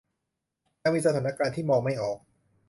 จะมีสถานการณ์ที่มองไม่ออก